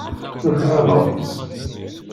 Tuklaleḍ-t.